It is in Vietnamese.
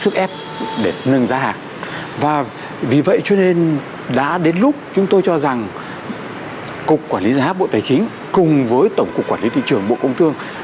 cùng với tổng cục quản lý thị trường bộ công thương